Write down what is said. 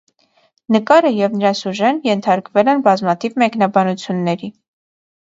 Նկարը և նրա սյուժեն ենթարկվել են բազմաթիվ մեկնաբանությունների։